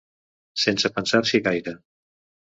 Sense pensar-s'hi gaire.